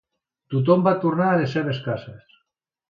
Tothom va tornar a les seves cases.